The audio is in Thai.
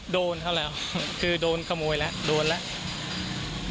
โดนเขาแล้วคือโดนขโมยแล้วโดนแล้ว